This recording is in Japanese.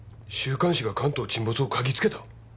週刊誌が関東沈没を嗅ぎつけた？